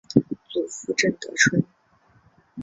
祖父郑得春。